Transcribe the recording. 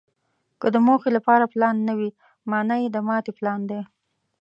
که د موخې لپاره پلان نه وي، مانا یې د ماتې پلان دی.